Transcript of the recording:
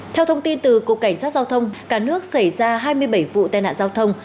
theo thông tin từ cục cảnh sát giao thông cả nước xảy ra hai mươi bảy vụ tai nạn giao thông